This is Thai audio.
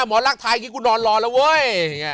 โหมอนรักไทยกิ๊กกูนอนรอนละเว้ย